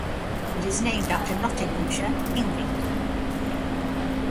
It is named after Nottinghamshire, England.